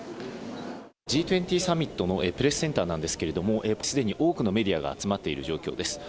Ｇ２０サミットのプレスセンターなんですけれども、すでに多くのメディアが集まっている状況です。